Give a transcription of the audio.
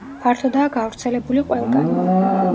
ფართოდაა გავრცელებული ყველგან.